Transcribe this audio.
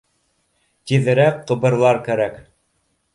Тиҙерәк ҡыбырлар кәрәк.